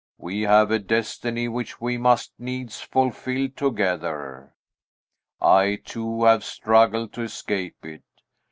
We have a destiny which we must needs fulfil together. I, too, have struggled to escape it.